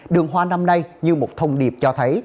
đường hoa năm nay như một thông điệp cho thấy